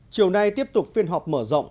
chiều nay tiếp tục phiên họp mở rộng